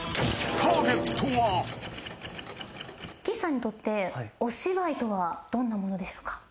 岸さんにとってお芝居とはどんなものでしょうか？